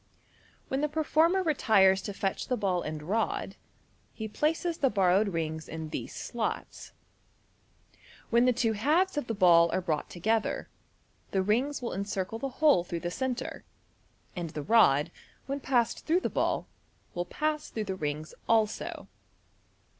When the performer retires to fetch the ball and rod, he places the borrowed rings in these slots. When the two halves of the ball are brought together, the rings will encircle the hole through the centre, and the rod, when passed through the ball, will pass through the rings also.